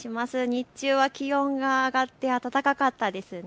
日中は気温が上がって暖かかったですね。